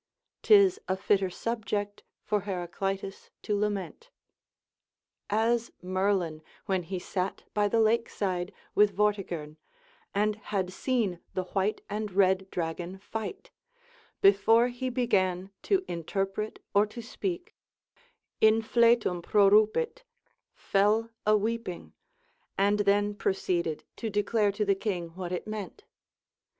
'tis a fitter subject for Heraclitus to lament. As Merlin when he sat by the lake side with Vortigern, and had seen the white and red dragon fight, before he began to interpret or to speak, in fletum prorupit, fell a weeping, and then proceeded to declare to the king what it meant.